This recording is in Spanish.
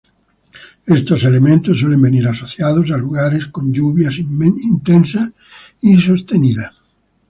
Estos elementos suelen venir asociados a lugares con lluvias intensas y sostenidas.